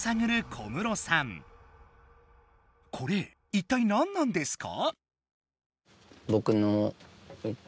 これ一体なんなんですか？